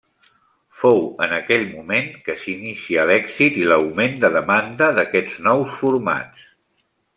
Fou en aquell moment que s'inicia l'èxit i l'augment de demanda d'aquests nous formats.